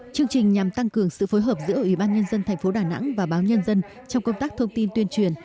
chương trình nhằm tăng cường sự phối hợp giữa ubnd tp đà nẵng và báo nhân dân trong công tác thông tin tuyên truyền